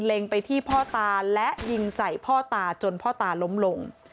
ไปที่พ่อตาและยิงใส่พ่อตาจนพ่อตาล้มลง